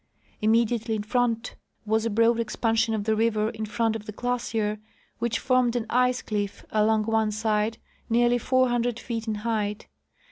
Immediately in front was a broad expansion of the river in front of the glacier, which formed an ice cliff along one side nearly four hundred feet in height.